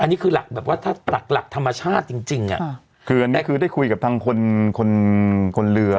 อันนี้คือหลักแบบว่าถ้าหลักหลักธรรมชาติจริงจริงอ่ะคืออันนี้คือได้คุยกับทางคนคนเรือ